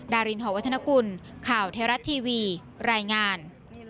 ดารินหอวัฒนกุลข่าวไทยรัฐทีวีรายงาน